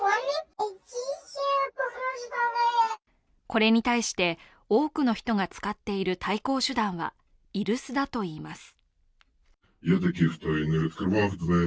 これに対して多くの人が使っている対抗手段は居留守だといいます。